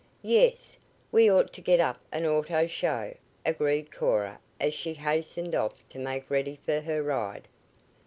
"Yes. We ought to get up an auto show," agreed Cora as she hastened off to make ready for her ride.